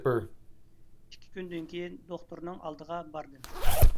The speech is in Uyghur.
ئىككى كۈندىن كېيىن دوختۇرنىڭ ئالدىغا باردىم.